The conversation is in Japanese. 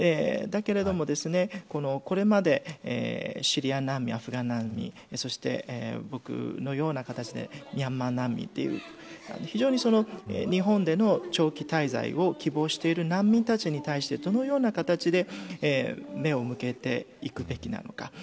だけれども、これまでシリア難民、アフガン難民そして僕のような形でミャンマー難民という非常に日本での長期滞在を希望している難民たちに対してどのような形で目を向けていくべきなのか。